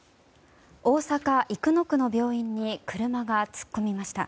大阪・生野区の病院に車が突っ込みました。